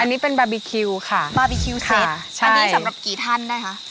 อันนี้เป็นบาร์บีคิวค่ะบาร์บีคิวเซ็ตอันนี้สำหรับกี่ท่านนะคะ